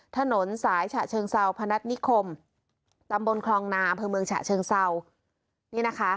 ถนนสายฉะเชิงเซาพนัฐนิคมตำบลคลองนาอำเภอเมืองฉะเชิงเศร้านี่นะคะ